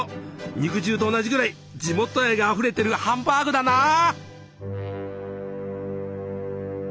肉汁と同じぐらい地元愛があふれてるハンバーグだなぁ！